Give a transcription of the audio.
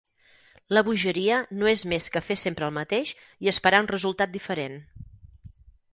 La bogeria no és més que fer sempre el mateix i esperar un resultat diferent.